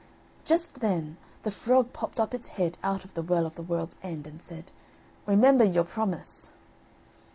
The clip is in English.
Just then the frog popped up its head out of the Well of the World's End, and said: "Remember your promise."